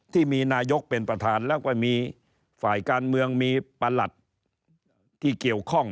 ที่มีนายกเป็นประธานแล้วก็มีฝ่ายการเมืองมีประหลัดที่เกี่ยวข้อง